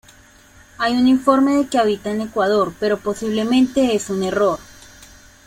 Hay un informe de que habita en Ecuador, pero posiblemente es un error.